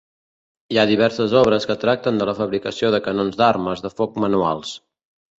Hi ha diverses obres que tracten de la fabricació de canons d'armes de foc manuals.